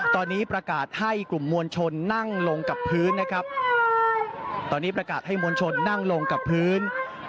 ตอนนี้ประกาศให้กลุ่มมวลชนนั่งลงกับพื้นนะครับตอนนี้ประกาศให้มวลชนนั่งลงกับพื้น